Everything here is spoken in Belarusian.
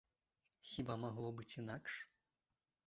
Хіба магло быць інакш?